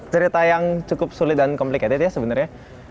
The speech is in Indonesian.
cerita yang cukup sulit dan complicated ya sebenarnya